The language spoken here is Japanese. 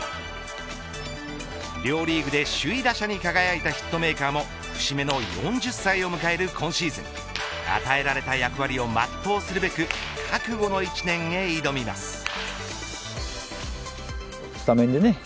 両リーグで首位打者に輝いたヒットメーカーも節目の４０歳を迎える今シーズン与えられた役割を全うすべく覚悟の１年へ挑みます。